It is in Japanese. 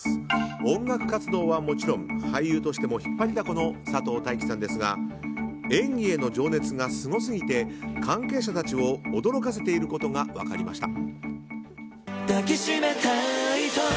音楽活動はもちろん俳優としても引っ張りだこの佐藤大樹さんですが演技への情熱がすごすぎて関係者たちを驚かせていることが分かりました。